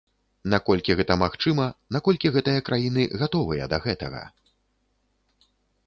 Наколькі гэта магчыма, наколькі гэтыя краіны гатовыя да гэтага?